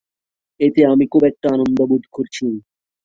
এতে আমি খুব একটা আনন্দ বোধ করছি।